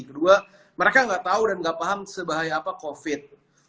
kedua mereka nggak tahu dan nggak paham sebahaya apa covid